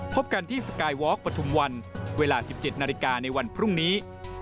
พบกันที่สกายวอล์ปฐุมวันเวลา๑๗นาฬิกาในวันพรุ่งนี้